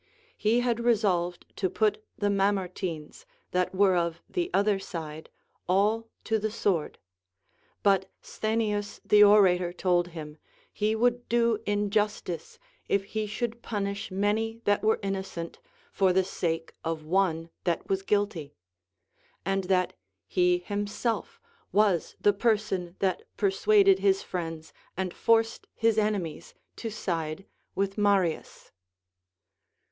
He had resolved to put the ]Mamertines, that were of the other side, all to the sword ; but Sthenius the orator told him. He would do in justice if he should punish many that were innocent for the sake of one that was guilty ; and that he himself was the person that persuaded his friends and forced his enemies to side with Marius.